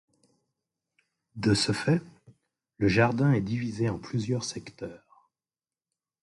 De ce fait, le jardin est divisé en plusieurs secteurs.